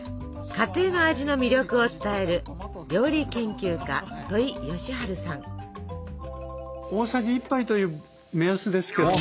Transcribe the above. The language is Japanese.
家庭の味の魅力を伝える料理研究家大さじ１杯という目安ですけど。